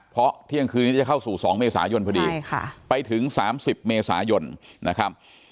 เพราะเที่ยงคืนนี้จะเข้าสู่๒เมษายนพอดีไปถึง๓๐เมษายนนะครับ